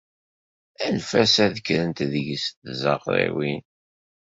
Anef-as ad kkren-t deg-s tzaɣriwin!